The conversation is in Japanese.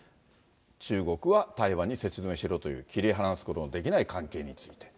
中国は台湾に説明をしろという、切り離すことのできない関係について。